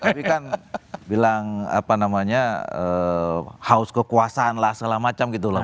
tapi kan bilang apa namanya haus kekuasaan lah segala macam gitu loh